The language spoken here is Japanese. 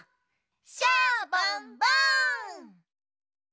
シャボンボン！